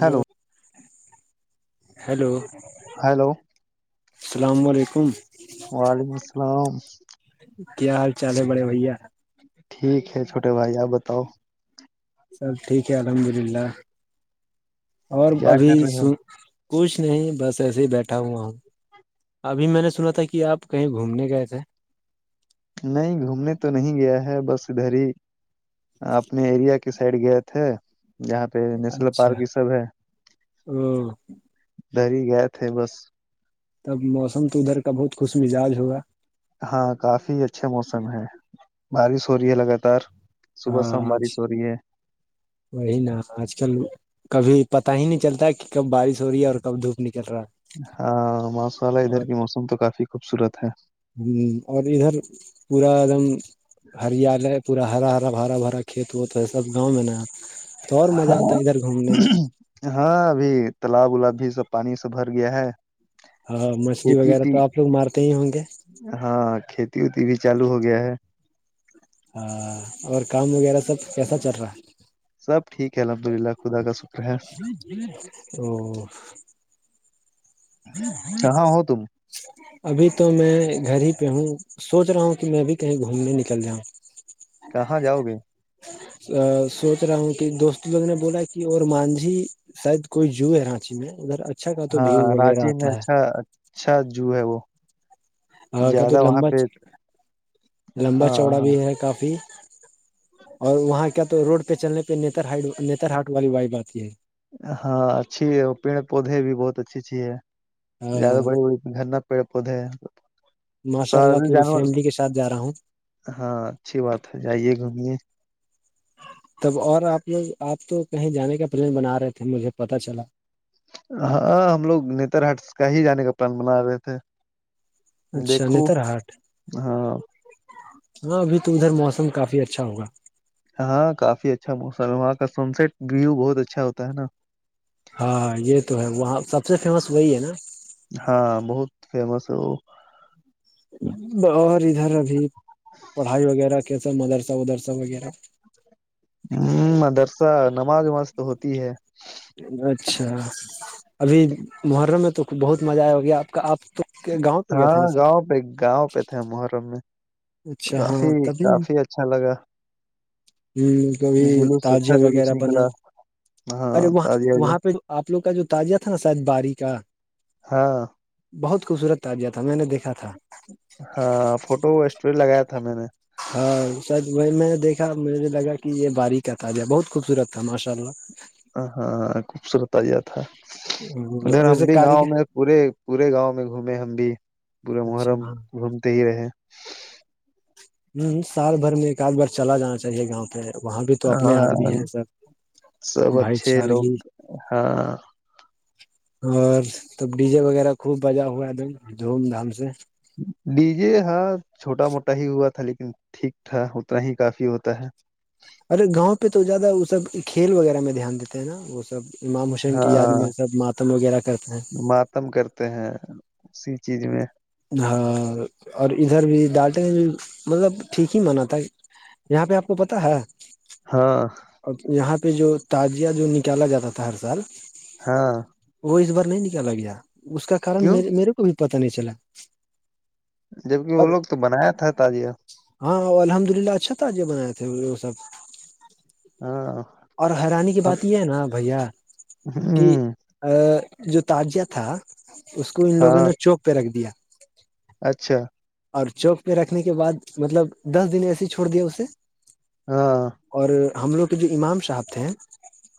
hello hello hello اللام علیکم وعلیکم السلام کیا حال چال ہے بڑے بھیا ٹھیک ہے چھوٹے بھائی آپ بتاؤ سب ٹھیک ہے الحمد للہ اور کیا ابھی کر رہے ہو سو کچھ نہیں بس ایسے ہی بیٹھا ہوں آ ابھی میں نے سنا تھا کہ آپ کہیں گھومنے گئے تھے نہیں گھومنے تو نہیں گیا ہے بس ادھر ہی اپنے ایریا کے سائڈ گئے تھے یہاں پہ نیشنل اچھا پارک یہ سب ہے او دری ہی گئے تھے بس تب موسم تو ادھر کا بہت خوش مزاج ہوا ہاں کافی اچھے موسم ہے بارش ہو رہی ہے لگاتار صبح ہاں شام بارش آج ہو رہی ہے وہی نا آج کل کبھی پتا ہی نہیں چلتا ہے کہ کب بارش ہو رہی ہے اور کب دھوپ نکل رہا ہے ہاں ماسا والا اور ادھر کی موسم تو کافی خوبصورت ہے ہ اور ادھر پورا ایک دم ہریالیے پورا ہرا ہرا برا بھرا کھیت ہوتا ہے سب گاؤں میں نا تو اور مزہ ہاں آتا ہے ادھر گھومنے میں ہاں ابھی تالاب الاب بھی سب پانی سے بھر گیا ہے ہاں مچھلی کھیتی وغیرہ وتی تو آپ لوگ مارتے ہی ہوں گے ہاں کھیتی وتی بھی چالو ہو گیا ہے ہ اور کام وغیرہ سب کیسا چل رہا ہے سب ٹھیک ہے الحمد للہ خدا کا س تو کہاں ہو تم ابھی تو میں گھر ہی پہ ہوں سوچ رہا ہوں کہ میں بھی کہیں گھومنے نکل جاؤں کہاں جاؤ گے ا سوچ رہا ہوں کہ دوست لوگ نے بولا کہ اور مانجھی شاید کوئی جوو ہے رانچی میں ادھر اچھا کا تو ویو وغیرہ چ میں آتا اچھا اچھا جوو ہے وہ ہے کا تو زیادہ وہاں لمبا پہ لمبا ہاں چوڑا ہاں بھی ہے کافی اور وہاں کیا تو روڈ پہ چلنے پہ نیتر ہٹ نیتر ہاٹ والی وائب آتی ہے ہاں اچھی ہے اور پیڑ پودھے بھی بہت اچھی اچھی ہے زیادہ ہے بڑی بڑی گھرنا پیڑ پودے س ماشاء اللہ پوری جانور فیملی کے ساتھ جا رہا ہوں ہاں اچھی بات ہے جائیے گھومے تب اور آپ لوگ آپ تو کہیں جانے کا پلان بنا رہے تھے مجھے پتا چلا ہاں ہم لوگ نتر ہٹ کا ہی جانے کا پلان بنا رہے تھے اچھا دیکھو نتر ہاٹ ہاں ہاں ابھی تو ادھر موسم کافی اچھا ہوگا ہاں کافی اچھا موسم ہے وہاں کا سن سٹ ویو بہت اچھا ہوتا ہے نا ہاں یہ تو ہے وہاں سب سے فیمس وہی ہے نا ہاں بہت فمس ا اور ادھر ابھی پڑھائی وغیرہ کیسا مدرسہ ودرسہ وغیرہ ہ مدرسہ نماز وماز تو ہوتی ہے اچھا ابھی محرم میں تو بہت مزہ آیا ہو گیا آپ کا آپ گاؤں پہ گئے تھے ہاں نا سر گاؤں پہ گاؤں پہ تھے محرم میں تو اچھا ہاں کافی تبھی کافی اچھا لگا ہ کبھی جلوس تجیا اچھا جلوس وغیرہ بنا نکلا ارے ہاں وہاں تازیہ وازیہ وہاں پہ آپ لوگ کا جو تعجیہ تھا نا شاید باری کا ہاں بہت خوبصورت تعجیہ تھا میں نے دیکھا تھا ہاں فوٹو اسٹوری لگایا تھا میں نے ہاں شاید وہ میں دیکھا مجھے لگا کہ یہ باریک کا تھا ج بہت خوبصورت تھا ماشاء اللہ ہاں ہاں خوبصورت آیا تھا اللہ ادھر ہم ویسے بھی کاری گاؤں میں پورے پورے گاؤں میں گھومے ہم بھی پورے اچھا محرم ہاں گھومتے ہی رہے ہوں سال بھر میں ایک آد بار چلا جانا چاہیے گاؤں پہ وہاں بھی تو اپنے آدمی ہاں ہیں سر سب بھائی اچھے لوگ چارگی ہاں اور تب ڈی جے وغیرہ خوب بجا ہوا ہے د دھوم دھام سے ڈی جے ہاں چھوٹا موٹا ہی ہوا تھا لیکن ٹھیک تھا اتنا ہی کافی ہوتا ہے ارے گاؤں پہ تو زیادہ سب کھیل وغیرہ میں دھیان دیتے ہیں نا وہ سب امام حسین کی یاد ہاں میں سب ماتم وغیرہ کرتے ہیں ختم کرتے ہیں اسی چیز میں ہاں اور ادھر بھی ڈالٹے مطلب ٹھیک ہی مانع تھا یہاں پہ آپ کو پتاہ ہے ہاں اور یہاں پہ جو تجیہ جو نکالا جاتا تھا ہر سال ہاں وہ اس بار نہیں نکال گیا اس کا کن کیوں میرے کو بھی پتا نہیں چلا جبک وہ اور لوگ تو بنایا تھا تازیہ ہاں الحمد للہ اچھا تھا یہ بناائے تھے وہ سب ہاں اور حیرانی کی ہ بات یہ ہے نا بھیا کہ جو تجیہ تھا اس کو ان لوگوں ہاں نے چوک پہ رکھ دیا اچھا اور چوک پہ رکھنے کے بعد مطلب دس دن ایسے ہی چھوڑ دیا اسے ہاں اور ہم لوگ کے جو امام صاحب تھے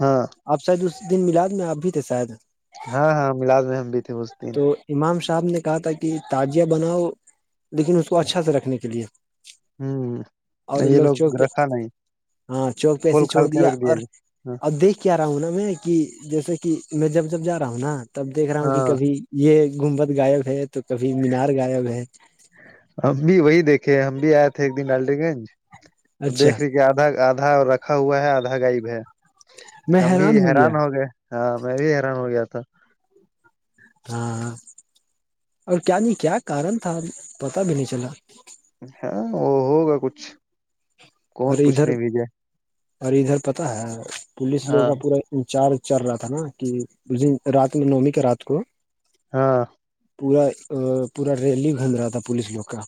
ہاں آپ شاید اسس دن ملاد میں اپ بھی تھے شاید ہاں ہاں ملاد محم بھی تھے اس دن تو امام صاحب نے کہا تھا کہ تعجیہ بناؤ لیکن اس کو اچھا سے رکھنے کے لیے ہ اور ان یہ لوگ چوک پہ رکھا نہیں ہاں چوک پہ ایسے کھول چھوڑ کھال کے دیا رکھ ج اور دیکھ کیا رہا ہوں نا میں کہ جیسے کہ میں جب جب جا رہا ہوں نا تب دیکھ رہا ہوں کہ ہاں کبھی یہ گومبد ائب ہے تو کبھی مینار غائب ہے ہم بھی وہی دیکھے ہم بھی آئے تھے ایک دن ڈالی گنج تو اچھا دیکھ رے آدھا آدھا رکھا ہوا ہے آدھا غائب ہے ہم بھی حیران ہو گئے ہاں میں بھی حیران ہو گیا تھا ہاں اور کیا نہیں کیا کارن تھا پتا بھی نہیں چلا ہاں وہ ہوگا کچھ کون اے ادھر پوچھنے بھی جائے اوررے ادھر پتا ہے پولیس لوگوں ہاں کا پورا چار چار رہا تھا نا کہ اس رات میں نومی کے رات کو ہاں پورا پورا ریلی گھوم رہا تھا پولیس لوگ کا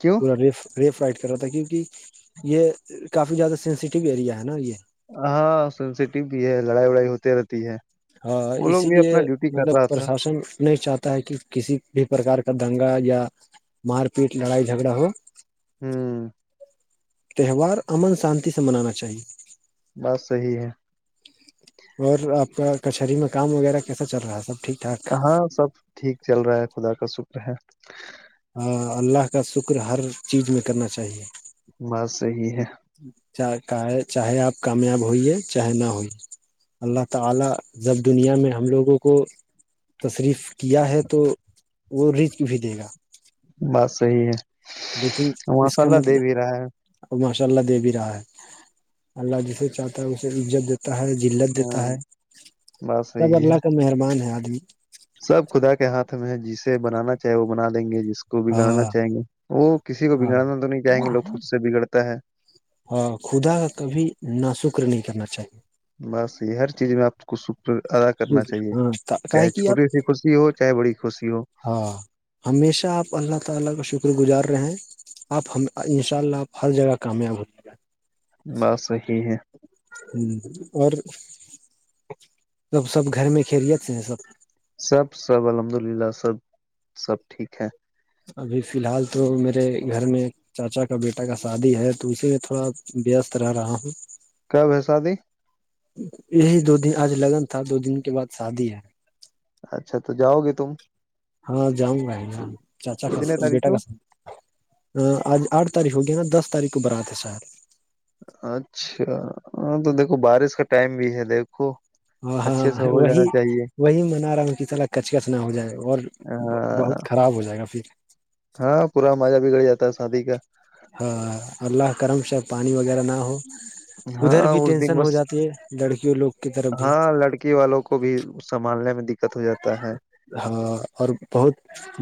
کیوں رف ریف رائٹ کر رہا تھا کیونکہ یہ کافی زیادہ سینسیٹیو ایریا ہے نا یہ ہاں سینسیٹیو بھی ہے لڑائی وڑائی ہوتی رہتی ہے ہاں وہ اسی لوگ بھی لیے اپنا ڈیوٹی کر مطلب رہا تھا پرشاسن نہیں چاہتا ہے کہ کسی بھی پرک کا دنگا یا مار پیٹ لڑائی جھگڑا ہو ہممم تہوار امن شانتی سے منانا چاہیے بس صحیح ہے اور آپ کا کچہری میں کام وغیرہ کیسا چل رہا ہے سب ٹھیک ٹھاک ہاں سب ٹھیک چل رہا ہے خدا کا شکر ہے ہاں اللہ کا شکر ہر چیز میں کرنا چاہیے بس صحی ہے چاہے آپ کامیاب ہوئیے چاہے نہ ہوئی اللہ تعالی جب دنیا میں ہم لوگوں کو تشریف کیا ہے تو وہ رزک بھی دے گا بس صحیح ہے ماشاء اللہ دے بھی رہا ہے ا ماشاء اللہ دے بھی رہا ہے اللہ جسے چاہتا ہے اسے عزت دیتا ہے زلت دیتا ہاں ہے بات سب صحیح ہے اللہ کا مہربان ہے آدمی سب خدا کے ہاتھ میں ہے جسے بنانا چاہے وہ بنا لیں گے جس کو کو بگڑنا ہاں چاہیں گے وہ کسی کو ہاں بگڑاننا تو نہیں چاہیں گے لوگ خود سے بگڑتا ہے ہاں خدا کا کبھی نا شکر نہیں کرنا چاہیے بس یہ ہر چیز میں آپ کو شکر ادا کرنا چاہیے ہاں چاہے کاے کہ آپ چھوٹی سی خسی ہو چاہے بڑی خسی ہو ہاں ہمیشہ اپ اللہ تعالی کا شکر گزار رہے ہیں آپ ہم ان شاء اللہ آپ ہر جگہ کامیاب ہوتے بس صحی ہے اور سب سب گھر میں کھیریت ہیں سب سب سب الحمد للہ سب سب ٹھیک ہے ابھی فی الحال تو میرے گھر میں چاچا کا بیٹا کا شادی ہے تو اسی میں تھوڑا ویست رہ رہا ہوں کب ہے شادی یہی دو دن آج لگن تھا دو دن کے بعد شادی ہے اچھا تو جاؤ گے تم ہاں جؤں گا ہے چاچا کے کتنے تاریخ بیٹا کو کس آج آٹھ تاریخ ہو گیا نا دس تاریخ کو براتے ساید اچھا ہاں تو دیکھو بارش کا ٹائم بھی ہے دیکھو ہاں اچھے سے ہو وہی جانا چاہیے وہی منا رہا ہوں ک طرح کچ کچ نہ ہو جائےا اور بہت ہاں خراب ہو جائے گا پھر ہاں پورا مزہ بھی گڑ جاتا ہے شادی کا ہاں اللہ کرم شے پانی وغیرہ نہ ہو ادھر ہاں بھی اس ٹینشن دن ہو بس جاتی ہے لڑکیوں لوگ کی طرف بھی ہاں لڑکی والوں کو کو بھی سنبھالنے میں دقت ہو جاتا ہے ہاں اور بہت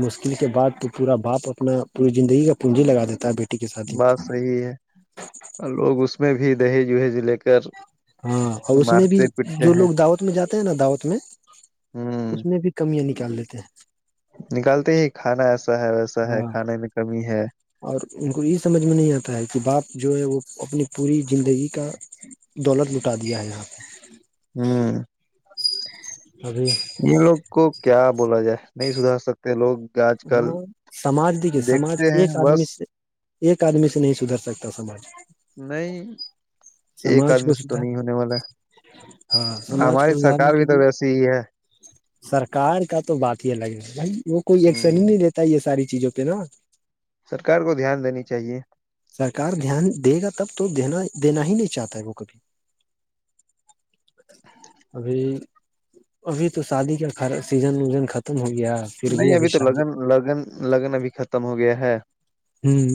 مشکل کے بعد تو پورا باپ اپنا پوری زندگی کا پونجی لگا دیتا ہے بیٹی کے ساتھ ہی بات صحیح ہے لوگ اس میں بھی دہیج وہیج لے کر ہاں اور اس میں بھی مارتے پیٹتے جو ہیں لوگ دعوت میں جاتے ہیں نا دعوت میں ہوں اس میں بھی کمیاں نکال لیتے ہیں نکالتے ہی کھانا ایسا ہے ویسا ہے ہاں کھانے میں کمی ہے اور ان کو یہ سمجھ میں نہیں آتا ہے کہ باپ جو ہے وہ اپنی پوری زندگی کا دولت لٹا دیا ہے یہاں پہ ہوں ابھی ان لوگ کو کیا بولا جائے نہیں سودھار سکتے لوگ آج کل ہاں سماج دیکھیے سماج دیکھتے ہیں ایک بس آدمی سے ایک آدمی سے نہیں سودھر سکتا سماج نہیں ایک سماج آدمی کو سے تو سدار نہیں ہونے والا ہاں ہے سماج کو ہماری سدھارنے سرکار کے بھی تو لیے ویسی ہی ہے سرکار کا تو بات ہی الگ ہے بھائی وہ کوئی ایکسن ہی ہ نہیں دیتے [unintelligible] ساری چیزوں پہ نا سرکار کو دھیان دینی چاہیے سرکار دھیان دے گا تب تو دینا ہی نہیں چاہتا ہے وہ کبھی [inaudible] ابھی ابھی تو شادی کا سیزن وزن ختم ہو گیا پھر بھی نہیں ابھی تو شادی لگن لگن لگن ابھی ختم ہو گیا ہے ہوں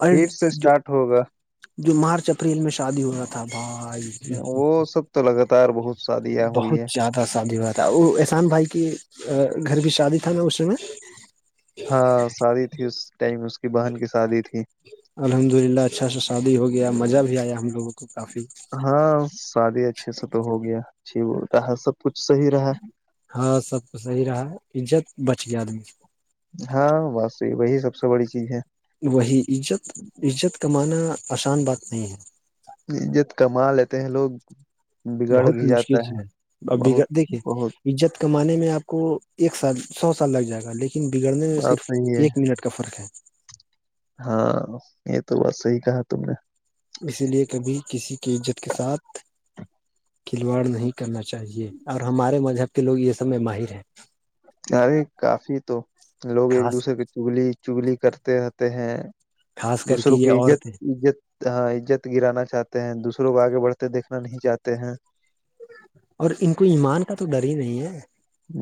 اور پھر سے جو اسٹارٹ ہوگا جو مارچ اپریل میں شادی ہو رہا تھا بھائی وہ سب تو لگاتار بہت شادیاں ہوئی بہت ہے زیادہ شادی ہوا تھا وہ احسان بھائی کی گھر کی شادی تھا نا اس میں ہاں شادی تھی اس ٹائم اس کی بہن کی شادی تھی الحمد للہ اچھا سا شادی ہو گیا مزہ بھی آیا ہم لوگوں کو کافی ہاں شادی اچھے سے تو ہو گیا اچھی بولتا ہر سب کچ صحیح رہ ہاں سب کو صحیح رہا عزت بچ گیا آدمی ہاں بس یہ وہی سب سے بڑی چیز ہے وہی عزت عزت کمانا آسان بات نہیں ہے عزت کما لیتے ہیں لوگ بگڑ بہت بھی جاتا مشکل ہے سے آگے بہت دیکھیے بہت [unintelligible] عزت کمانے میں آپ کو ایک سال سو سال لگ جائے گا لیکن بگڑنے میں بات صرف صحیح ہے ایک منٹ [unintelligible] ہاں یہ تو بات صحیح کہا تم نے اسی لیے کبھی کسی کی عزت کے ساتھ کھلواڑ نہیں کرنا چاہیے اور ہمارے مذہب کے لوگ یہ سب میں ماہر ہیں ارے کافی تو لوگ ایک خاص دوسرے کے چگلی چگلی کرتے رہتے ہیں خاص کر کے دوسروں کو یہ عزت عورتیں عزت ہا عزت گرانا چاہتے ہیں دوسروں کو آگے بڑھتے دیکھنا سودھار چاہتے ہیں اور ان کو ایمان کا تو ڈر ہی نہیں ہے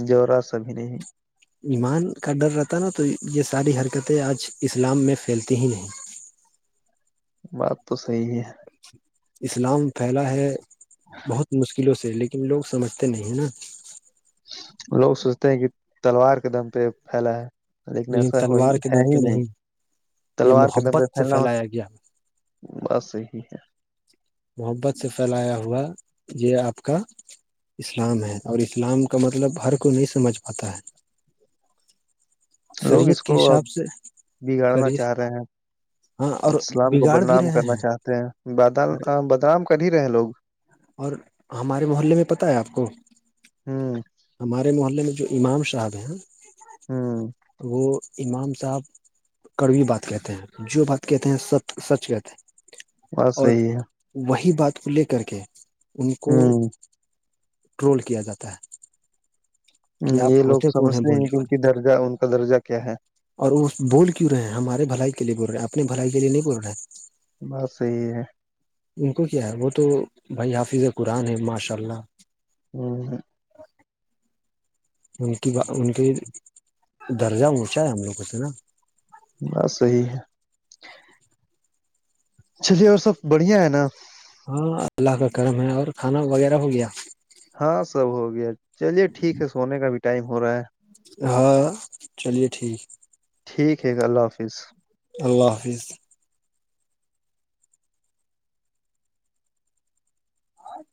جورا سبھی نہیں ایمان کا ڈر رہتا نا تو یہ ساری حرکتیں آج اسلام میں پھیلتی ہی نہیں بات تو صحیح ہے اسلام پھیلا ہے بہت مشکلوں سے لیکن لوگ سمجھتے نہیں ہے نا لوگ سوچتے ہیں کہ تلوار کے دم پہ پھیلا ہے لیکن ایسا ہو ہی تلوار کے ہے دم پہ ہی نہیں یہ تلوار کے دبے محبت سے پھیلنا پھیلایا گیا ہوتے بس یہی ہے محبت سے پھیلایا ہوا یہ آپ کا اسلام ہے اور اسلام کا مطلب ہر کو نہیں سمجھ پاتا ہے لوگ اس شریعت کو کے اب حساب سے بگاڑنا شریعت چاہ رہے ہیں ہاں اور اسلام کو بگاڑ بھی بدنام رہے کرنا ہیں چاہتے ہیں باد بدنام کر ہی رہے ہیں لوگ اور ہمارے محلے میں پتہ ہے آپ کو ہوں ہمارے محلے میں جو امام صاحب ہیں ہوں وہ امام صاحب کڑوی بات کہتے ہیں جو بات کہتے ہیں سچ سچ کہتے ہیں بس اور صحی ہے وہی بات کو لے کر کے ان کو ہوں ٹرول کیا جاتا ہے کہ آپ یہ لوگ ہوتے کون سمجھتے بولنے ہیں کہ ان کی والے درجہ ان کا درجہ کیا ہے اور وہ بول کیوں رہے ہیں ہمارے بھلائی کے لیے بول رہے ہیں اپنے بھلائی کے لیے نہیں بول رہے ہیں بس صحی ہے ان کو کیا ہے وہ تو بھائی حافظ قرآن ہے ماشاء اللہ ہمم ان کی ان کے درجہ اونچا ہے ہم لوگوں سے نا بس صحیح ہے چلیے اور سب بڑھیا ہے نا ہاں اللہ کا کرم ہے اور کھانا وغیرہ ہو گیا ہاں سب ہو گیا چلیے ٹھیک ہے سونے کا بھی ٹائم ہو رہا ہے ہاں چلیے ٹھیک ٹھیک ہے اللہ حافظ اللہ حافظ اور